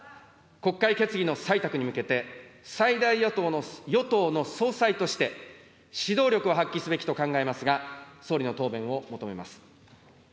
国会決議の採択に向けて、最大与党の総裁として、指導力を発揮すべきと考えますが、総理の答弁を求めます。